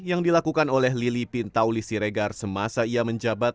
yang dilakukan oleh lili pintauli siregar semasa ia menjabat